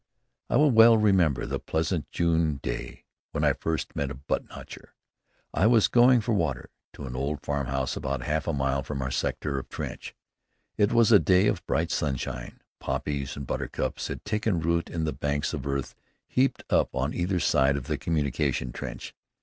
I well remember the pleasant June day when I first met a "butt notcher." I was going for water, to an old farmhouse about half a mile from our sector of trench. It was a day of bright sunshine. Poppies and buttercups had taken root in the banks of earth heaped up on either side of the communication trench.